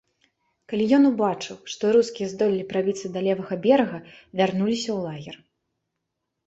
Калі ён убачыў, што рускія здолелі прабіцца да левага берага, вярнуліся ў лагер.